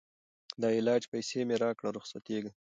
د علاج پیسې مي راکړه رخصتېږم